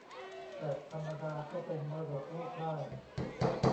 แฟลตธรรมดาก็เป็นมรดกโลกได้